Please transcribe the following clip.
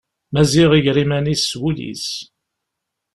Maziɣ iger iman-is s wul-is.